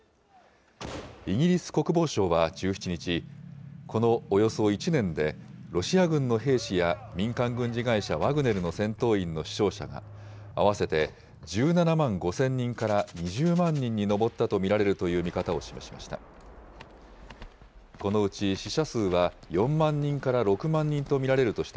イギリス国防省は１７日、このおよそ１年でロシア軍の兵士や民間軍事会社ワグネルの戦闘員の死傷者が、合わせて１７万５０００人から２０万人に上ったと見られるという見方を示しました。